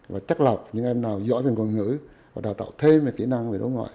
và chắc lọc những em nào giỏi về ngôn ngữ và đào tạo thêm về kỹ năng về đối ngoại